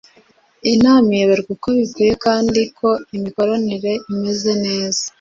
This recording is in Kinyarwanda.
Inama iyoborwa uko bikwiye kandi ko imikoranire imeze neza